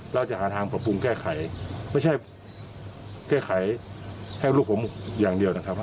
เราจะหาทางปรับปรุงแก้ไขไม่ใช่แก้ไขให้ลูกผมอย่างเดียวนะครับ